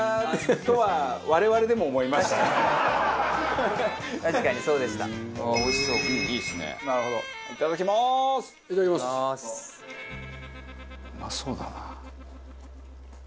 うまそうだな。